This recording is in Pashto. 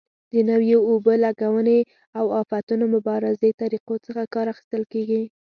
د نویو اوبه لګونې او آفتونو مبارزې طریقو څخه کار اخیستل کېږي.